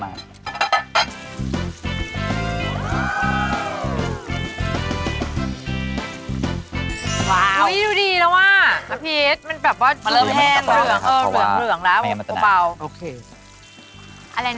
อยากได้สีเหลืองครับ